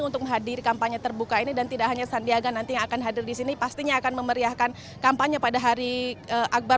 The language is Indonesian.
untuk menghadiri kampanye terbuka ini dan tidak hanya sandiaga nanti yang akan hadir di sini pastinya akan memeriahkan kampanye pada hari akbar